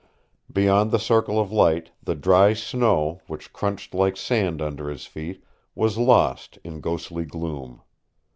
Beyond the circle of light the dry snow, which crunched like sand under his feet, was lost in ghostly gloom.